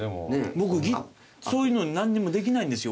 僕そういうの何にもできないんですよ